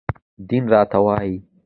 دين راته وايي